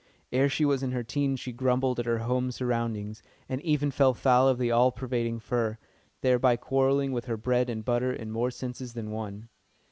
Ere she was in her teens she grumbled at her home surroundings, and even fell foul of the all pervading fur, thereby quarrelling with her bread and butter in more senses than one.